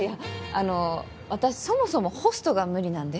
あの私そもそもホストが無理なんで。